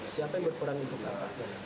siapa yang berperan untuk apa